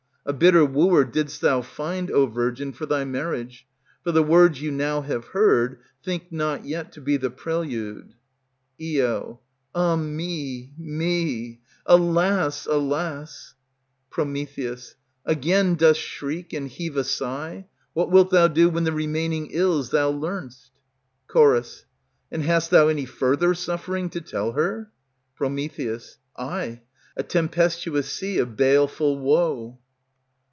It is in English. A bitter wooer didst thou find, O virgin, For thy marriage. For the words you now have heard Think not yet to be the prelude. Io. Ah! me! me! alas! alas! Pr. Again dost shriek and heave a sigh? What Wilt thou do when the remaining ills thou learn'st? Ch. And hast thou any further suffering to tell her? Pr. Ay, a tempestuous sea of baleful woe.